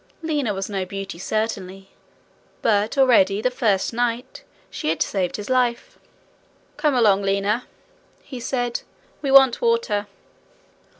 Lina was no beauty certainly, but already, the first night, she had saved his life. 'Come along, Lina,' he said, 'we want water.'